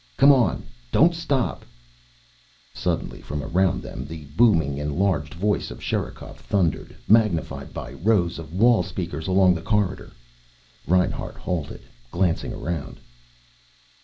"Come on! Don't stop!" Suddenly from around them the booming, enlarged voice of Sherikov thundered, magnified by rows of wall speakers along the corridor. Reinhart halted, glancing around.